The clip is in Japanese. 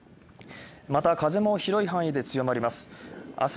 また、風も広い範囲で強まります。